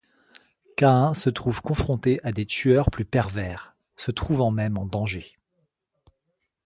Caïn se trouve confronté à des tueurs plus pervers, se trouvant même en danger.